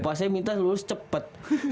bapak saya minta lulus cepet